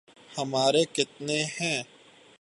ہمارے کتنے ہیں۔